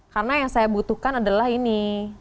karena yang saya butuhkan adalah ini